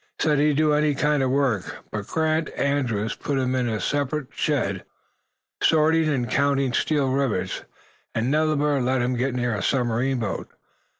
Said he'd do any kind of work, but Grant Andrews put him in a separate shed, sorting and counting steel rivets, and never let him get near a submarine boat.